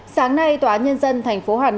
sáng nay tòa nhân dân tp hà nội đã ra quyết định